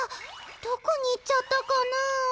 どこに行っちゃったかな？